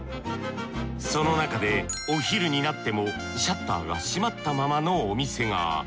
その中でお昼になってもシャッターが閉まったままのお店が。